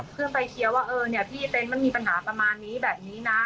เพิ่งไปเคียร์ว่าพี่เต้นมันมีปัญหาประมาณนี้แบบนี้นะ